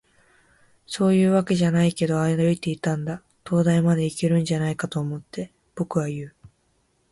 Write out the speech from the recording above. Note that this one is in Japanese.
「そういうわけじゃないけど、歩いていたんだ。灯台までいけるんじゃないかって思って。」、僕は言う。